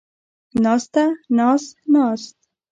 ناسته ، ناز ، ناست